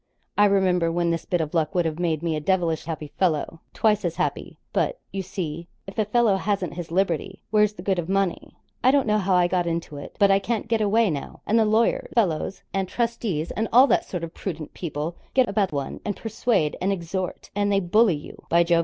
I remember when this bit of luck would have made me a devilish happy fellow twice as happy; but, you see, if a fellow hasn't his liberty, where's the good of money? I don't know how I got into it, but I can't get away now; and the lawyer fellows, and trustees, and all that sort of prudent people, get about one, and persuade, and exhort, and they bully you, by Jove!